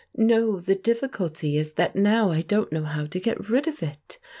No, the difficulty is that now I don't know how to get rid of it!